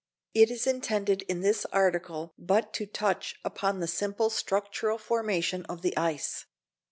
It is intended in this article but to touch upon the simple structural formation of the ice.